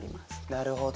なるほど。